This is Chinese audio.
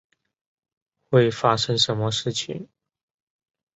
会发生什么事情？